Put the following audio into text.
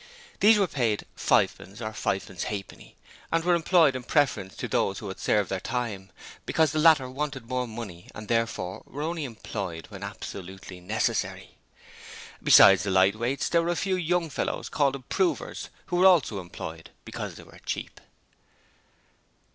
These were paid fivepence or fivepence halfpenny, and were employed in preference to those who had served their time, because the latter wanted more money and therefore were only employed when absolutely necessary. Besides the lightweights there were a few young fellows called improvers, who were also employed because they were cheap.